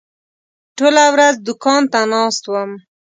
ټوله ورځ دوکان ته ناست وم.